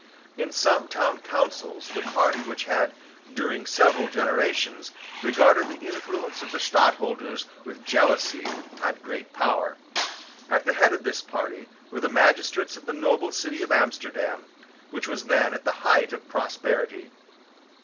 In some town councils the party which had, during several generations, regarded the influence of the Stadtholders with jealousy had great power. At the head of this party were the magistrates of the noble city of Amsterdam, which was then at the height of prosperity.